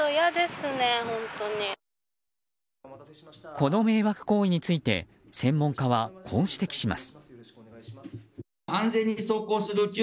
この迷惑行為について専門家はこう指摘します。